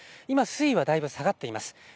今、水位はだいぶ下がっています。